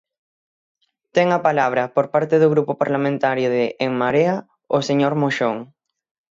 Ten a palabra, por parte do Grupo Parlamentario de En Marea, o señor Moxón.